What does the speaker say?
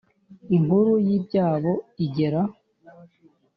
Inkuru y ibyabo igera